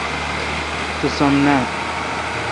تو سم نان۔